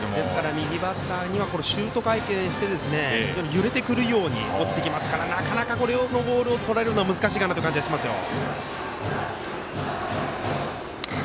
右バッターにはシュート回転して非常に揺れてくるように落ちてきますからなかなかこのボールをとらえるのは難しいかなと思いますよ。